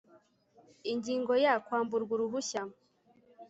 ingingo ya kwamburwa uruhushya